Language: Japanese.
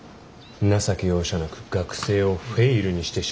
情け容赦なく学生をフェイルにしてしまうそうだ。